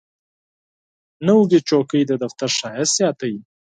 نوې چوکۍ د دفتر ښایست زیاتوي